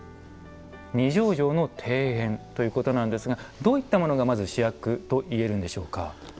二条城の庭園ということなんですがどういったものがまず主役と言えるんでしょうか。